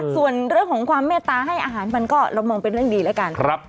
ส่วนเรื่องของความเมตตาให้อาหารมันก็เรามองเป็นเรื่องดีแล้วกัน